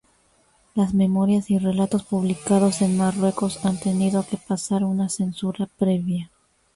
Las memorias y relatos publicados en Marruecos han tenido que pasar una censura previa.